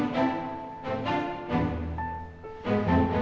haris mau beli deadly lagi